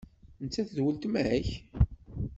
Nettat d weltma-k?